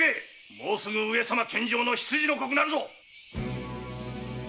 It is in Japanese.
もうすぐ上様献上の未の刻なるぞ！